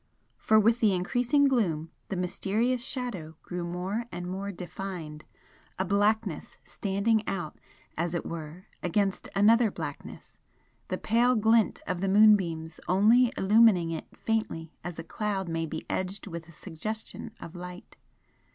For with the increasing gloom the mysterious Shadow grew more and more defined a blackness standing out as it were against another blackness, the pale glint of the moonbeams only illumining it faintly as a cloud may be edged with a suggestion of light.